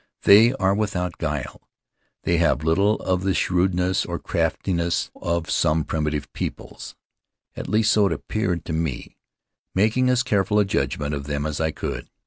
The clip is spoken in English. They are without guile. They have little of the shrewdness or craftiness of some primitive peoples. At least so it appeared to me, making as careful a judgment of them as I could.